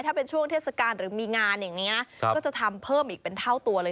ถ้าเป็นช่วงเทศกาลหรือมีงานอย่างนี้ก็จะทำเพิ่มอีกเป็นเท่าตัวเลย